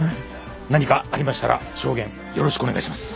何かありましたら証言よろしくお願いします。